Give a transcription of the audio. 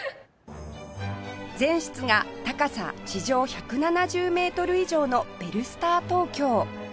全室が高さ地上１７０メートル以上のベルスタートウキョウ